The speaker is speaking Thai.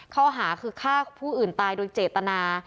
ข้อหาคือฆ่าผู้อื่นตายโดยเจตนา